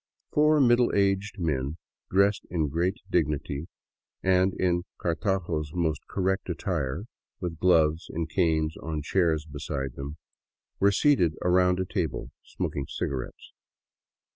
Four middle aged men, dressed in great dignity and in Cartago's most correct attire, with gloves and canes on chairs beside them, were seated around a table, smoking cigarettes.